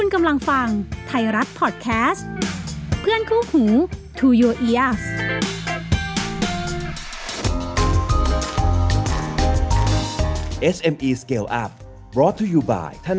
สวัสดีครับ